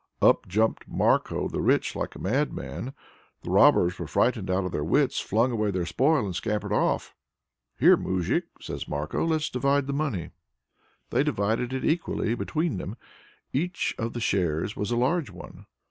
Up jumped Marko the Rich like a madman. The robbers were frightened out of their wits, flung away their spoil and scampered off. "Here, Moujik," says Marko, "let's divide the money." They divided it equally between them: each of the shares was a large one.